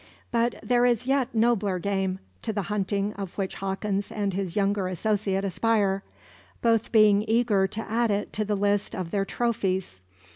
But there is a yet nobler game, to the hunting of which Hawkins and his younger associate aspire; both being eager to add it to the list of their trophies.